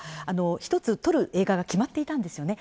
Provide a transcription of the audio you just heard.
一つ、撮る映画が決まっていたんですよね。